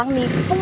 apa ini debating